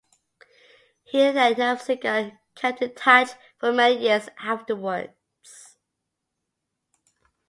He and Naffziger kept in touch for many years afterwards.